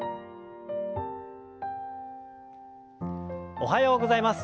おはようございます。